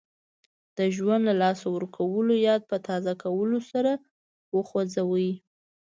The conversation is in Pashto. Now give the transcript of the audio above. د ژوند له لاسه ورکولو یاد په تازه کولو سر وخوځاوه.